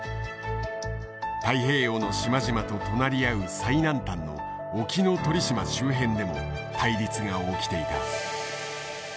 太平洋の島々と隣り合う最南端の沖ノ鳥島周辺でも対立が起きていた。